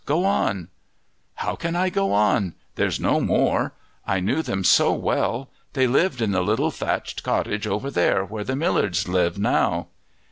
go on." "How can I go on? There's no more. I knew them so well; they lived in the little thatched cottage over there, where the Millards live now."